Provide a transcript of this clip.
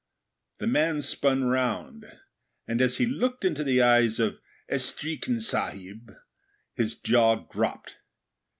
The man spun round, and, as he looked into the eyes of 'Estreekin Sahib', his jaw dropped.